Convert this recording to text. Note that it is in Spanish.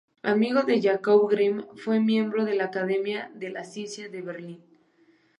Amigo de Jacobo Grimm, fue miembro de la Academia de las Ciencias de Berlín.